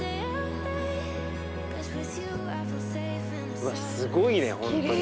うわっすごいね本当に。